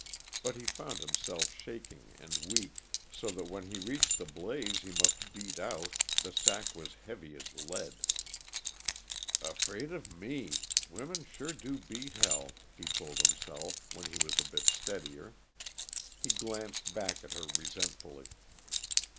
But he found himself shaking and weak, so that when he reached the blaze he must beat out, the sack was heavy as lead. "Afraid of me women sure do beat hell!" he told himself, when he was a bit steadier. He glanced back at her resentfully.